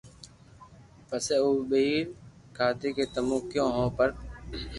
پسي ٻيئر اي ڪآدو ڪي تمو ڪيو ھون پر